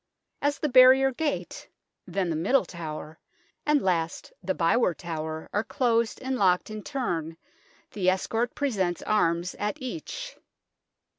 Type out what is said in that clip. As the barrier gate, then the Middle Tower, and last the Byward Tower, are closed and locked in turn the escort presents arms at each.